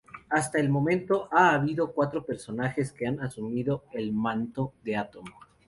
Hasta el momento ha habido cuatro personajes que han asumido el manto de Atom.